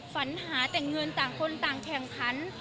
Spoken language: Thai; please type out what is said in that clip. ปัญหาแต่เงินต่างคนต่างแข่งขัน